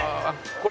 これ？